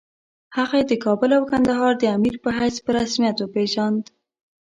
هغه یې د کابل او کندهار د امیر په حیث په رسمیت وپېژاند.